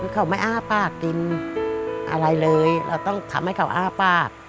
เขาไม่อ้าปากดินอะไรเลยเราต้องทำให้เขาอ้าปาก